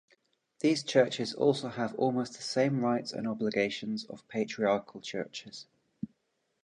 These churches also have almost the same rights and obligations of Patriarchal Churches.